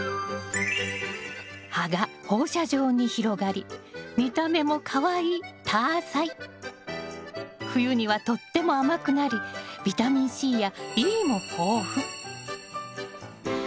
葉が放射状に広がり見た目もかわいい冬にはとっても甘くなりビタミンＣやＥも豊富。